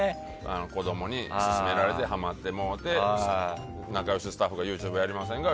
子供に勧められてハマってもうて仲良しスタッフがＹｏｕＴｕｂｅやりませんか？